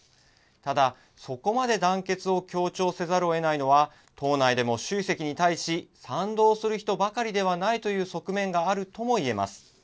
ただ、そこまで団結を強調せざるをえないのは、党内でも習主席に対し賛同する人ばかりではないという側面があるともいえます。